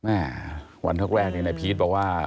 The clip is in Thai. อ่าวันเท่ากันแรกนี้นายพีทบอกว่า